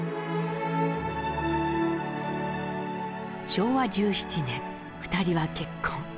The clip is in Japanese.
昭和１７年２人は結婚。